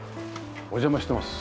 お邪魔してます。